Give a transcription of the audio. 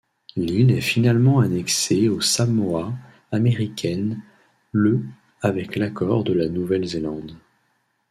L'île est finalement annexée aux Samoa américaines le avec l'accord de la Nouvelle-Zélande.